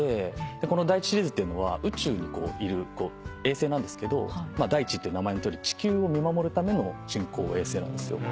この「だいち」シリーズっていうのは宇宙にいる衛星なんですけど「だいち」っていう名前のとおり地球を見守るための人工衛星。